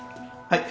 はい。